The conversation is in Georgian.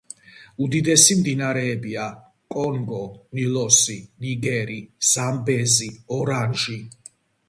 უდიდესი მდინარეებია: კონგო, ნილოსი, ნიგერი, ზამბეზი, ორანჟი.